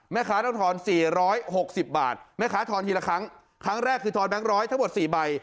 ต้องทอน๔๖๐บาทแม่ค้าทอนทีละครั้งครั้งแรกคือทอนแบงค์ร้อยทั้งหมด๔ใบ